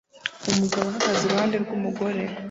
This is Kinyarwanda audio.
Umugabo ahagaze iruhande rw'umugore